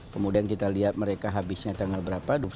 kemudian kita lihat mereka habisnya tanggal berapa